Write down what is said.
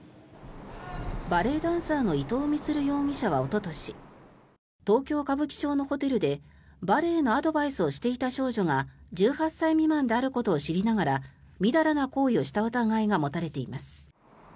バレエダンサーの伊藤充容疑者はおととし東京・歌舞伎町のホテルでバレエのアドバイスをしていた少女が１８歳未満であることを知りながらみだらな行為をした疑いが持たれています。